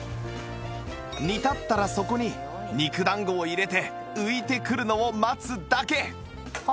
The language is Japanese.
煮立ったらそこに肉団子を入れて浮いてくるのを待つだけ